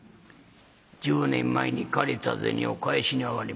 １０年前に借りた銭を返しにあがりましたんで。